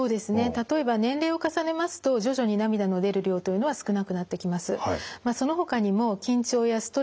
例えば年齢を重ねますと徐々に涙の出る量というのは少なくなってきます。